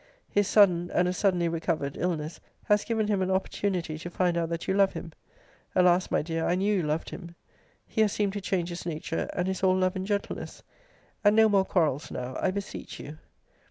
] His sudden (and as suddenly recovered) illness has given him an opportunity to find out that you love him (Alas! my dear, I knew you loved him!) He has seemed to change his nature, and is all love and gentleness. [And no more quarrels now, I beseech you.] * See Letter XX. of this volume.